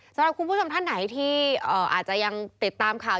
สำหรับคุณผู้ชมท่านไหนที่อาจจะยังติดตามข่าว